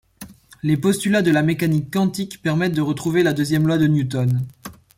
Les postulats de la mécanique quantique permettent de retrouver la deuxième loi de Newton.